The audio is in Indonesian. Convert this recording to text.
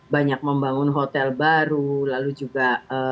banyak membangun hotel baru lalu juga